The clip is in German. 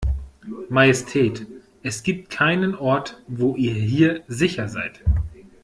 Majestät, es gibt keinen Ort wo ihr hier sicher seid.